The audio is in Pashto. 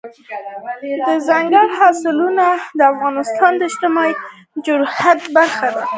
دځنګل حاصلات د افغانستان د اجتماعي جوړښت برخه ده.